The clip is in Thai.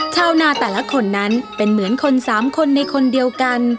ชาวนาแต่ละคนนั้นเป็นเหมือนคนสามคนในคนเดียวกัน